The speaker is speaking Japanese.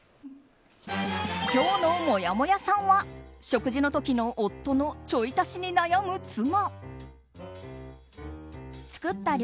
今日のもやもやさんは食事の時の夫のちょい足しに悩む妻。